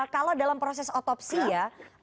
kalau dalam proses otopsi ya